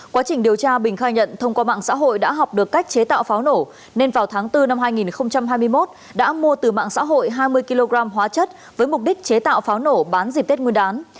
quá trình điều tra bình khai nhận thông qua mạng xã hội đã học được cách chế tạo pháo nổ nên vào tháng bốn năm hai nghìn hai mươi một đã mua từ mạng xã hội hai mươi kg hóa chất với mục đích chế tạo pháo nổ bán dịp tết nguyên đán